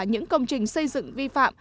những công trình xây dựng vi phạm